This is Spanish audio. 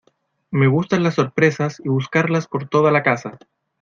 me gustan las sorpresas y buscarlas por toda la casa.